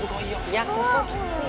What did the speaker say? いやここきつい。